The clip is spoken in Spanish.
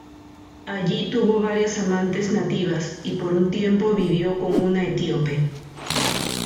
Allí tuvo varias amantes nativas y por un tiempo vivió con una etíope.